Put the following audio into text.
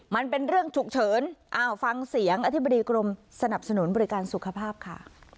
มันเป็นเรื่องฉุกเฉินอ้าวฟังเสียงอธิบดีกรมสนับสนุนบริการสุขภาพค่ะ